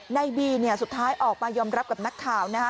นายบีเนี่ยสุดท้ายออกไปยอมรับกับมักข่าวนะฮะ